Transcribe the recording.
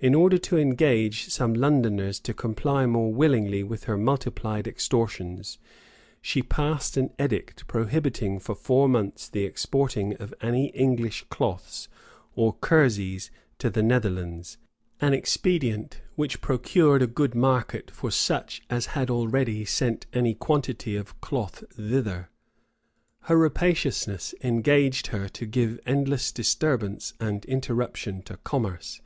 In order to engage some Londoners to comply more willingly with her multiplied extortions, she passed an edict prohibiting for four months the exporting of any English cloths or kerseys to the Netherlands; an expedient which procured a good market for such as had already sent any quantity of cloth thither. Her rapaciousness engaged her to give endless disturbance and interruption to commerce.